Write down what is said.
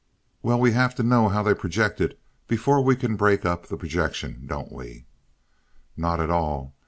"Well, we have to know how they project it before we can break up the projection, don't we?" "Not at all.